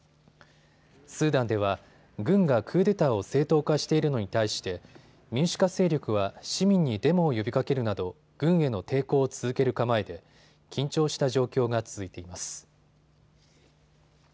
スーダンでは軍がクーデターを正当化しているのに対して民主化勢力は市民にデモを呼びかけるなど軍への抵抗を続ける構えで緊張した状況が続いています。